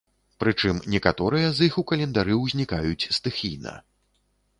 Прычым некаторыя з іх у календары ўзнікаюць стыхійна.